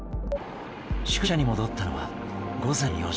宿舎に戻ったのは午前４時。